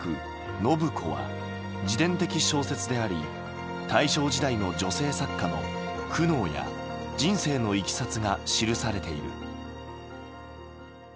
「伸子」は自伝的小説であり大正時代の女性作家の苦悩や人生のいきさつが記されている。